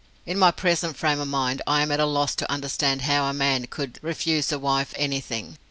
In my present frame of mind I am at a loss to understand how a man could refuse a wife anything.